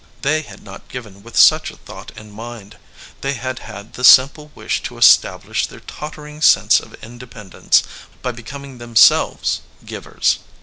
They had not given with such a thought in mind. They had had the simple wish to establish their tottering sense of independence by becoming themselves givers.